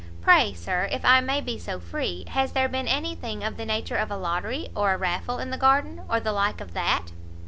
pray, Sir, if I may be so free, has there been any thing of the nature of a lottery, or a raffle, in the garden? or the like of that?"